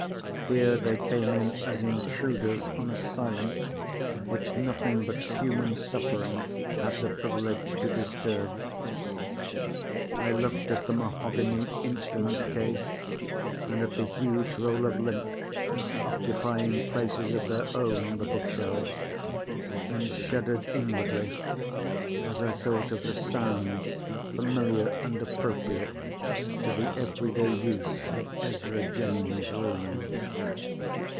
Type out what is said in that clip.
Here, they came in as intruders on a silence which nothing but human suffering had the privilege to disturb. I looked at the mahogany instrument case, and at the huge roll of lint, occupying places of their own on the bookshelves, and shuddered inwardly as I thought of the sounds, familiar and appropriate to the everyday use of Ezra Jennings' room.